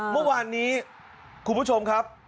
เมื่อวานนี้คุณผู้ชมครับ